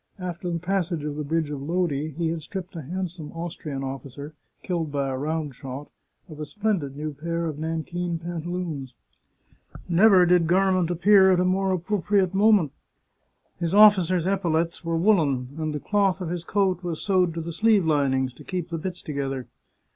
After the passage of the Bridge of Lodi he had stripped a handsome Austrian officer, killed by a round shot, of a splendid new pair of nankeen pantaloons. Never did garment appear at a more appropriate moment 1 His officer's epaulets were woollen, and the cloth of his coat was sewed to the sleeve linings, to keep the bits to gether.